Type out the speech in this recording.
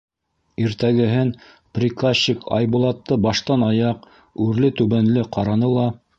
Иртәгеһен приказчик Айбулатты баштан-аяҡ үрле-түбәнле ҡараны ла: